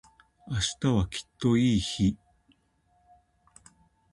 明日はきっといい日